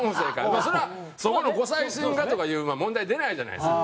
まあそれは「そこの御祭神が」とかいう問題出ないじゃないですか。